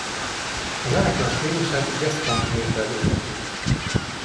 A zenekar stílusát jazz-punk névvel illeti.